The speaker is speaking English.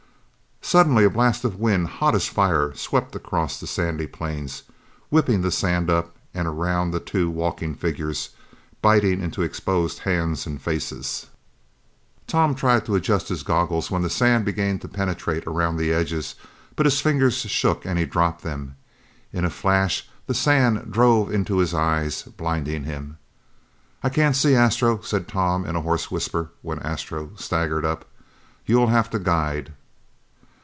Suddenly a blast of wind, hot as fire, swept across the sandy plains, whipping the sand up and around the two walking figures, biting into exposed hands and faces. Tom tried to adjust his goggles when the sand began to penetrate around the edges but his fingers shook and he dropped them. In a flash, the sand drove into his eyes, blinding him. "I can't see, Astro," said Tom in a hoarse whisper when Astro staggered up. "You'll have to guide."